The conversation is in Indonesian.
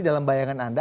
dalam bayangan anda